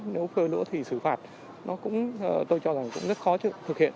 nếu phơi lúa thì xử phạt tôi cho rằng cũng rất khó thực hiện